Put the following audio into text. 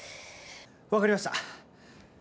分かりました。